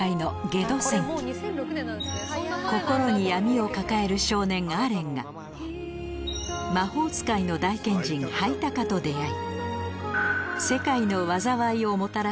心に闇を抱える少年アレンが魔法使いの大賢人ハイタカと出会い